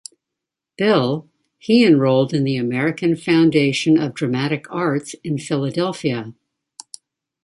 Bill, he enrolled in the American Foundation of Dramatic Arts in Philadelphia.